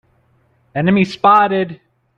Enemy spotted!